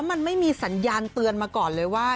มันไม่มีสัญญาณเตือนมาก่อนเลยว่า